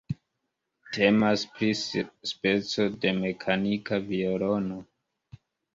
Temas pri speco de mekanika violono.